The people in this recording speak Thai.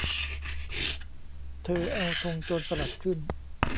เธอเอาธงโจรสลัดขึ้น